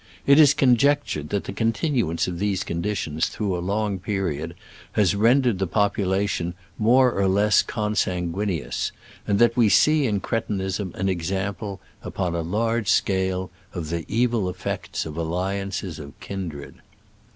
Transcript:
It is conjectured that the con tinuance of these conditions through a long period has rendered the population more or less consanguineous, and that we see in cretinism an example; upon a large scale, of the evil effects of alliances of kindred.